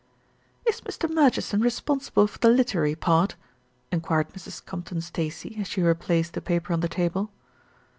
"Is Mr. Murchison responsible for the literary part?" enquired Mrs. Compton Stacey, as she replaced the paper on the table.